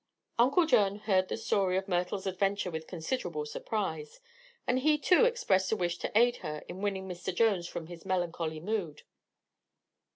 Uncle John heard the story of Myrtle's adventure with considerable surprise, and he too expressed a wish to aid her in winning Mr. Jones from his melancholy mood.